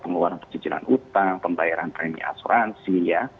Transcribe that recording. pengeluaran pecicilan utang pembayaran premi asuransi ya